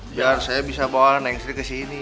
biar saya bisa bawa neng sri kesini